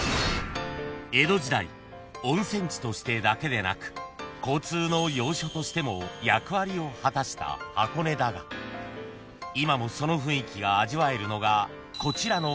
［江戸時代温泉地としてだけでなく交通の要所としても役割を果たした箱根だが今もその雰囲気が味わえるのがこちらの］